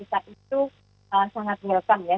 itu sangat welcome ya